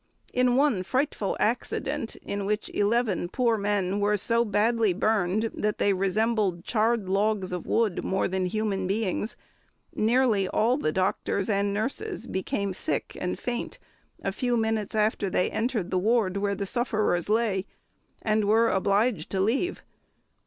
In one frightful accident in which eleven poor men were so badly burned that they resembled charred logs of wood more than human beings, nearly all the doctors and nurses became sick and faint a few minutes after they entered the ward where the sufferers lay, and were obliged to leave.